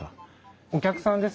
お客さんですよね？